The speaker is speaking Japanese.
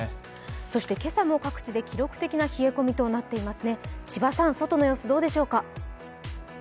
そして今朝も各地で記録的な冷え込みとなっていますね。